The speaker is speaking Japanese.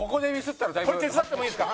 これ手伝ってもいいですか？